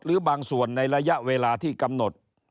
หรือบางส่วนในระยะเวลาที่กำหนด